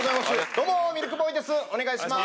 どうもミルクボーイですお願いします